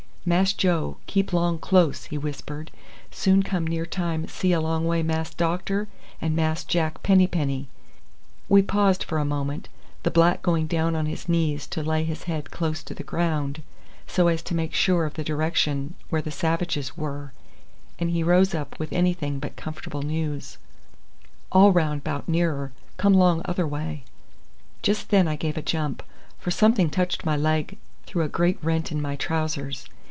"Mass Joe keep long close," he whispered. "Soon come near time see along way Mass doctor and Mass Jack Penny Penny." We paused for a moment, the black going down on his knees to lay his head close to the ground so as to make sure of the direction where the savages were, and he rose up with anything but comfortable news. "All round bout nearer, come 'long other way." Just then I gave a jump, for something touched my leg through a great rent in my trousers.